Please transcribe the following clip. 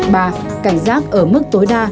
ba cảnh giác ở mức tối đa